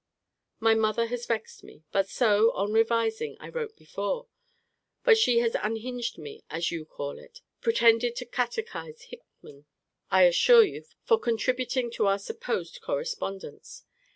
My mother has vexed me. But so, on revising, I wrote before. But she has unhinged me, as you call it: pretended to catechise Hickman, I assure you, for contributing to our supposed correspondence.